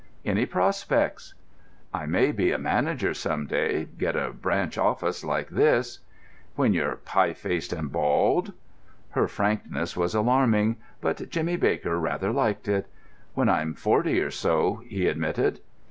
"Any prospects?" "I may be a manager some day—get a branch office like this." "When you're pie faced and bald?" Her frankness was alarming, but Jimmy Baker rather liked it. "When I'm forty or so," he admitted.